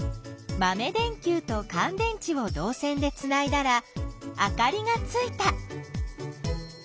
まめ電きゅうとかん電池をどう線でつないだらあかりがついた。